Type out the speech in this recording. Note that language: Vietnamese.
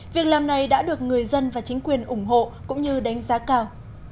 việc làm này đã được người dân và chính quyền ủng hộ cũng như đánh giá cao